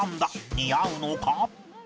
似合うのか？